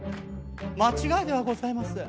間違いではございません。